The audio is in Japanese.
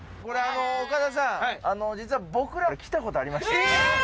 これ岡田さん実は僕ら来たことありまして。